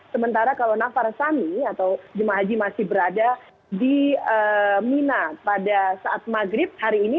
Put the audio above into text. sementara kalau nafar sami atau jemaah haji masih berada di mina pada saat maghrib hari ini